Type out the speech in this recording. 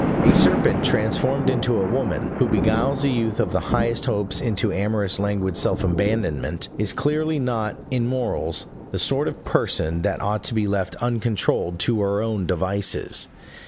A serpent transformed into a woman, who beguiles a youth of the highest hopes into amorous languid self abandonment, is clearly not, in morals, the sort of person that ought to be left uncontrolled to her own devices.